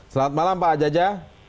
selamat malam pak jaja